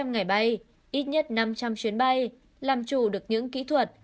hai trăm linh ngày bay ít nhất năm trăm linh chuyến bay làm chủ được những kỹ thuật